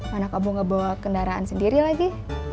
mana kamu gak bawa kendaraan sendiri lagi